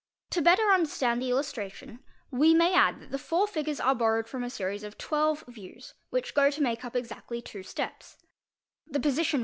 To better understand the illustration we may add that the four igures are borrowed from a series of twelve views which go to make up Bsctly two steps, the position I.